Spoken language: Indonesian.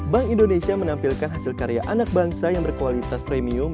bank indonesia menampilkan hasil karya anak bangsa yang berkualitas premium